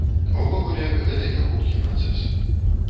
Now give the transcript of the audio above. Увогуле гэта не хуткі працэс.